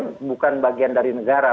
nah pssi kan bukan bagian dari negara